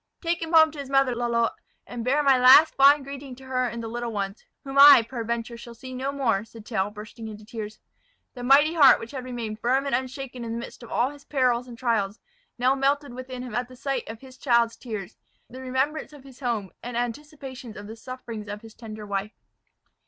"Take him home to his mother, Lalotte; and bear my last fond greetings to her and the little ones, whom I, peradventure, shall see no more," said Tell, bursting into tears. The mighty heart which had remained firm and unshaken in the midst of all his perils and trials, now melted within him at the sight of his child's tears, the remembrance of his home, and anticipations of the sufferings of his tender wife.